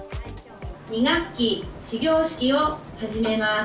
２学期始業式を始めます。